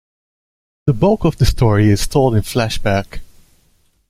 The bulk of the story is told in flashback.